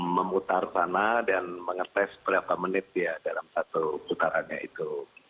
memutar tanah dan mengepres berapa menit dalam satu putarannya itu